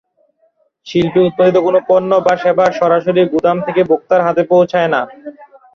শিল্পে উৎপাদিত কোনো পণ্য বা সেবা সরাসরি গুদাম থেকে ভোক্তার হাতে পৌঁছায় না।